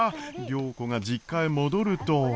良子が実家へ戻ると。